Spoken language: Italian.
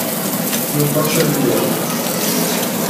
Non faccia l'idiota!